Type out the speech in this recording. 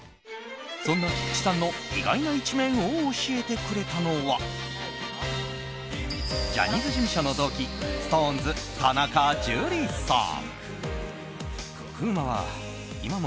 そんな菊池さんの意外な一面を教えてくれたのはジャニーズ事務所の同期ＳｉｘＴＯＮＥＳ、田中樹さん。